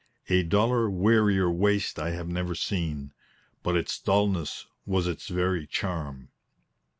A duller, wearier waste I have never seen; but its dullness was its very charm.